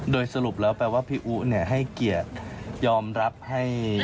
โดยสรุปแล้วแปลว่าพี่อุ๊ให้เกียรติยอมรับให้